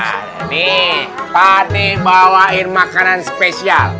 ini padi bawain makanan spesial